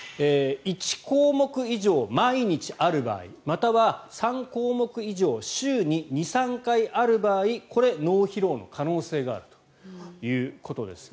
１項目以上、毎日ある場合または３項目以上週に２３回ある場合これは脳疲労の可能性があるということです。